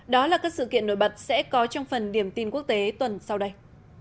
đó là các sự kiện nổi bật sẽ có trong phần điểm tin quốc tế tuần sau đây